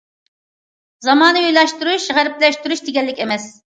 زامانىۋىلاشتۇرۇش غەربلەشتۈرۈش دېگەنلىك ئەمەس.